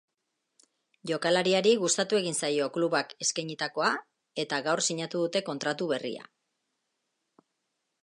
Jokalariari gustatu egin zaio klubak eskainitakoa eta gaur sinatu dute kontratu berria.